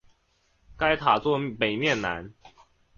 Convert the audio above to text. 该塔座北面南。